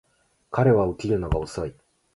彼は起きるのが遅い